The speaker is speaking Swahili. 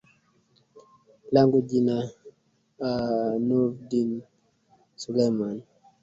langu jina a nurdin suleman